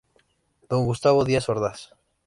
Don Gustavo Díaz Ordaz.